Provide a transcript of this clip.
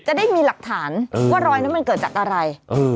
จะได้มีหลักฐานว่ารอยนั้นมันเกิดจากอะไร